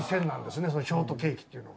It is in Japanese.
ショートケーキっていうのは。